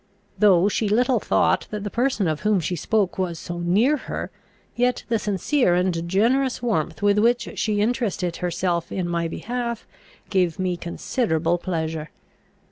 Though she little thought that the person of whom she spoke was so near her, yet the sincere and generous warmth with which She interested herself in my behalf gave me considerable pleasure.